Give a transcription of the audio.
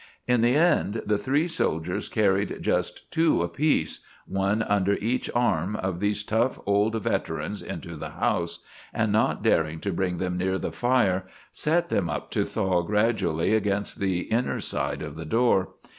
In the end the three soldiers carried just two apiece, one under each arm, of these tough old veterans into the house, and not daring to bring them near the fire, set them up to thaw gradually against the inner side of the door.